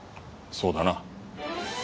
そうだな。